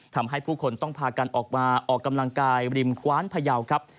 ทำให้ผู้คนต้องพากันออกมาออกกำลังกายริมกว้านพยาวครับ